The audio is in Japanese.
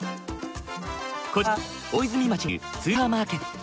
こちらは大泉町にあるスーパーマーケット。